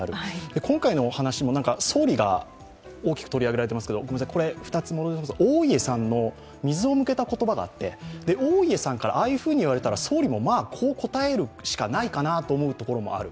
今回の話も、総理が大きく取り上げられていますけど、大家さんの水を向けた言葉があって、水を向けた言葉があって、ああいうふうに言われたら総理もこう答えるしかないかなと思うところもある。